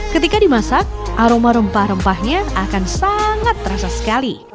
ketika dimasak aroma rempah rempahnya akan sangat terasa sekali